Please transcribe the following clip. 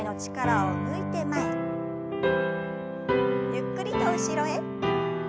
ゆっくりと後ろへ。